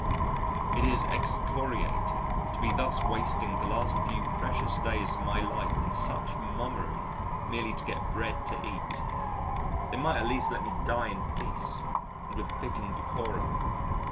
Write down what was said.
It is excoriating to be thus wasting the last few precious days of my life in such mummery merely to get bread to eat. They might at least let me die in peace, and with fitting decorum.